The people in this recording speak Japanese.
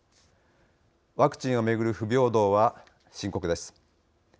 ワクチンをめぐる不平等は深刻です。